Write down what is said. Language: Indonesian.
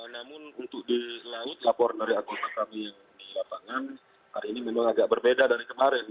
namun untuk di laut lapor dari anggota kami yang di lapangan hari ini memang agak berbeda dari kemarin